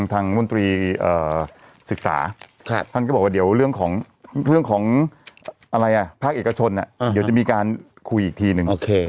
ทางมนตรีศึกษาท่านก็บอกว่าเรื่องของภาคเอกชนจะมีการคุยอีกทีหนึ่ง